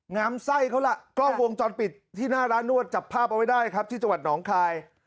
มไส้เขาล่ะกล้องวงจรปิดที่หน้าร้านนวดจับภาพเอาไว้ได้ครับที่จังหวัดหนองคาย